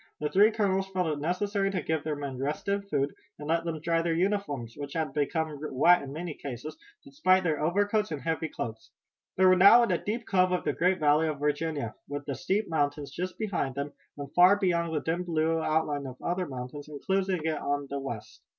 The three colonels felt it necessary to give their men rest and food, and let them dry their uniforms, which had become wet in many cases, despite their overcoats and heavy cloaks. They were now in a deep cove of the great Valley of Virginia, with the steep mountains just behind them, and far beyond the dim blue outline of other mountains enclosing it on the west.